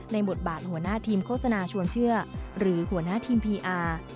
บทบาทหัวหน้าทีมโฆษณาชวนเชื่อหรือหัวหน้าทีมพีอาร์